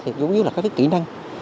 thì đúng như là các cái kỹ năng